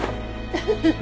ウフフフ。